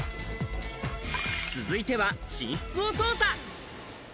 続いては寝室を捜査。